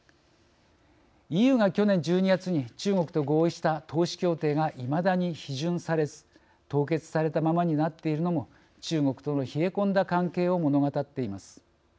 ＥＵが去年１２月に中国と合意した投資協定がいまだに批准されず凍結されたままになっているのも中国との冷え込んだ関係を物語っています。